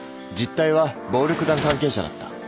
実態は暴力団関係者だった。